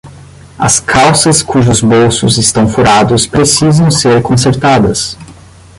As calças cujos bolsos estão furados precisam ser consertadas.